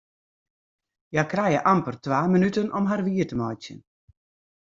Hja krije amper twa minuten om har wier te meitsjen.